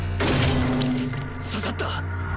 刺さった！